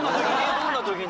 どんな時に？